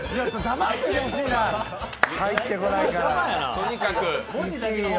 黙っててほしいな入ってこないから、きちぃよ。